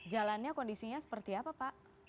jalannya kondisinya seperti apa pak